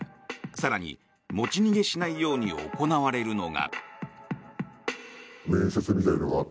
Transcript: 更に、持ち逃げしないように行われるのが。